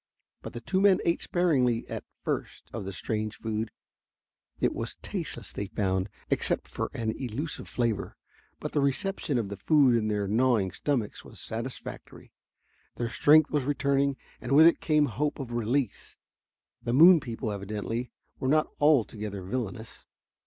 But the two men ate sparingly at first of the strange food. It was tasteless, they found, except for an elusive flavor, but the reception of the food in their gnawing stomachs was satisfactory. Their strength was returning, and with it came hope of release. The moon people, evidently, were not altogether villainous.